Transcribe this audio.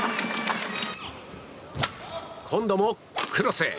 今度もクロスへ！